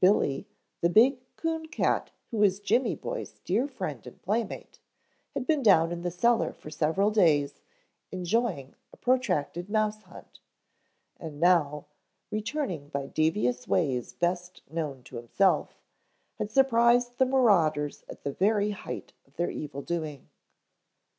Billy, the big coon cat who was Jimmy boy's dear friend and playmate, had been down in the cellar for several days enjoying a protracted mouse hunt, and now, returning by devious ways best known to himself, had surprised the marauders at the very height of their evil doing.